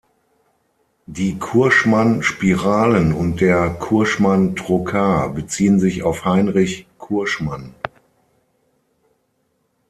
Die "Curschmann-Spiralen" und der "Curschmann-Trokar" beziehen sich auf Heinrich Curschmann.